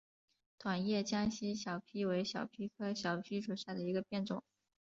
短叶江西小檗为小檗科小檗属下的一个变种。